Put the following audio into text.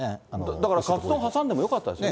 だからカツ丼挟んでもよかったですよね？